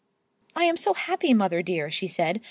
"I am so happy, mother dear," she said.